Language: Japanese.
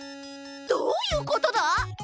どういうことだ？